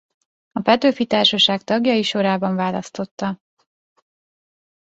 A Petőfi Társaság tagjai sorában választotta.